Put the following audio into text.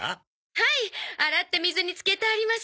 はい洗って水につけてあります。